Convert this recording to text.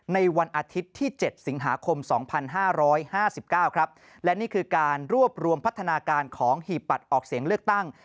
นี่คือการรวบรวมพัฒนาการของหีบบัตรออกเสียงเลือกตั้ง